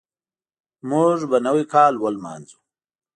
موږ به نوی کال ولمانځو.